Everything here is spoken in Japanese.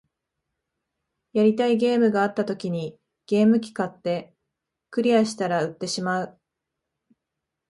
やりたいゲームがあった時にゲーム機買って、クリアしたら売ってしまう